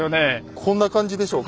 こんな感じでしょうか。